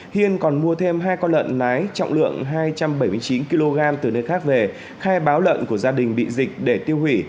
hiên còn mua thêm hai con lợn nái trọng lượng hai trăm bảy mươi chín kg từ nơi khác về khai báo lợn của gia đình bị dịch để tiêu hủy